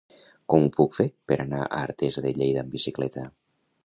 Com ho puc fer per anar a Artesa de Lleida amb bicicleta?